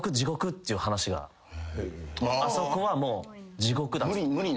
あそこはもう地獄だ。